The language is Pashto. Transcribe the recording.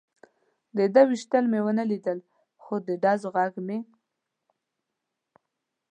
د ده وېشتل مې و نه لیدل، خو د ډزو غږ مې.